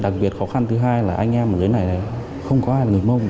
đặc biệt khó khăn thứ hai là anh em ở dưới này là không có ai là người mông